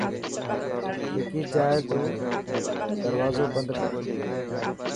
وڪي جائي تو دروازو بند ڪران.